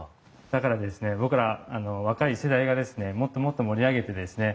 だから僕ら若い世代がもっともっと盛り上げてですね